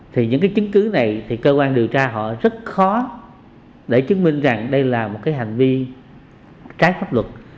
thì những cái chứng cứ này thì cơ quan điều tra họ rất khó để chứng minh rằng đây là một cái hành vi trái pháp luật